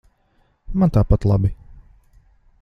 Man tāpat labi.